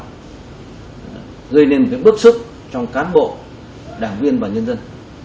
gây nên bước sức trong cán bộ đảng viên và nhân dân